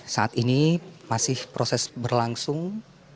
saat ini masih proses berlangsung